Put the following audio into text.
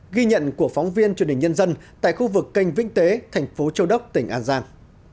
ghi nhận của phóng viên truyền hình nhân dân tại khu vực canh vĩnh tế thành phố châu đốc tỉnh an giang